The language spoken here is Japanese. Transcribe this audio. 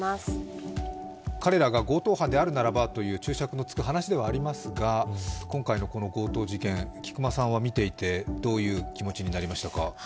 彼らが強盗犯であるならばと注釈のつく話ではありますが、今回のこの強盗事件、菊間さんは見ていてどういう気持ちになりましたか？